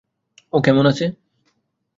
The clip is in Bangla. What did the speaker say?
ও কেমন আছে?